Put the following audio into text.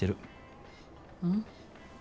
うん。